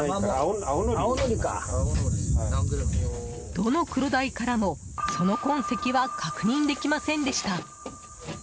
どのクロダイからもその痕跡は確認できませんでした。